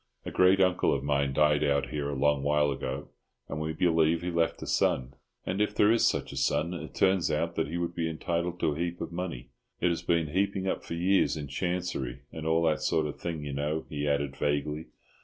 A great uncle of mine died out here a long while ago, and we believe he left a son; and if there is such a son, it turns out that he would be entitled to a heap of money. It has been heaping up for years in Chancery, and all that sort of thing, you know," he added, vaguely.